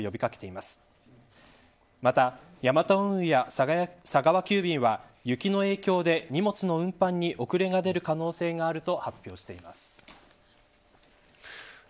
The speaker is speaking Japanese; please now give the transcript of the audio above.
また、ヤマト運輸や佐川急便は雪の影響で、荷物の運搬に遅れが出る可能性があると発表しています。